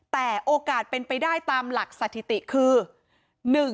แต่โอกาสเป็นไปได้ตามหลักสถิติคือ